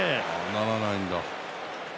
ならないんだ。